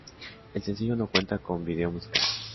El sencillo no cuenta con vídeo musical.